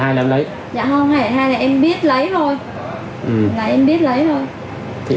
dạ không hai trăm linh hai là em biết lấy thôi